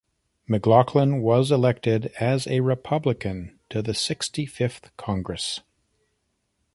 McLaughlin was elected as a Republican to the Sixty-fifth Congress.